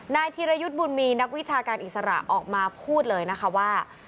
ธีรยุทธ์บุญมีนักวิชาการอิสระออกมาพูดเลยนะคะว่า